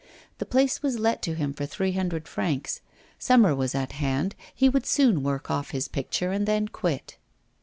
The place was let to him for three hundred francs. Summer was at hand; he would soon work off his picture and then quit.